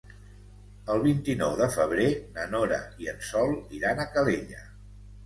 El vint-i-nou de febrer na Nora i en Sol iran a Calella.